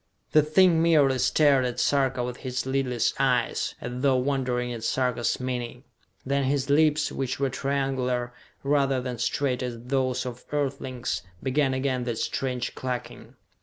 The thing merely stared at Sarka with his lidless eyes, as though wondering at Sarka's meaning. Then his lips, which were triangular, rather than straight as those of Earthlings, began again that strange clucking.